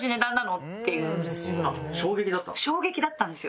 あっ衝撃だったんですか？